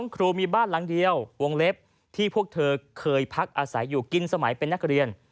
ครูมีบ้านหลังเดียววงเล็บที่พวกเธอเคยพักอาศัยอยู่กินสมัยเป็นนักเรียน